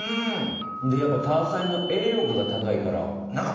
やっぱタアサイの栄養価が高いから。